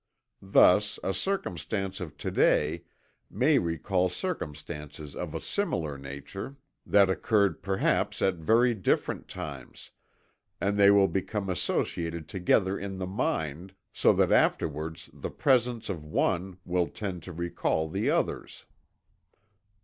Thus, a circumstance of to day may recall circumstances of a similar nature that occurred perhaps at very different times, and they will become associated together in the mind, so that afterwards the presence of one will tend to recall the others."